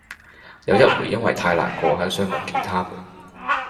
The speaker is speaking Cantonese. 有一回因為太難過很想夢見他們